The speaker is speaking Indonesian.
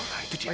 nah itu cik